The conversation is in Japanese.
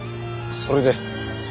それで。